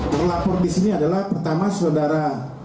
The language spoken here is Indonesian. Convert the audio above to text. terlapor di sini adalah pertama saudara